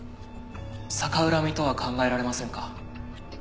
逆恨みとは考えられませんか？